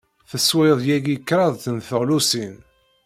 Teswiḍ yagi kraḍt n teɣlusin.